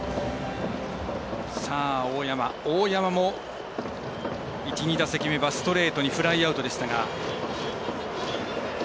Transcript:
大山も１、２打席目はストレートにフライアウトでした。